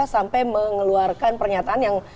sampai mengeluarkan pernyataan yang